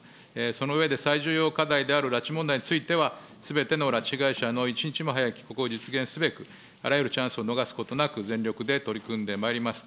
その上で最重要課題である拉致問題については、すべての拉致被害者の一日も早い帰国を実現すべく、あらゆるチャンスを逃すことなく、全力で取り組んでまいります。